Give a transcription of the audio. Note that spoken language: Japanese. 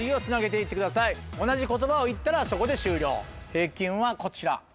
平均はこちら。